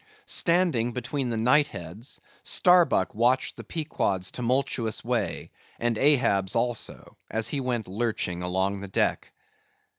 Standing between the knight heads, Starbuck watched the Pequod's tumultuous way, and Ahab's also, as he went lurching along the deck.